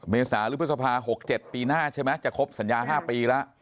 เมษาหรือพฤษภา๖๗ปีหน้าใช่ไหมจะครบสัญญา๕ปีแล้ว